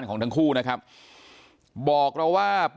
นางมอนก็บอกว่า